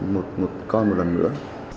một con một lần nữa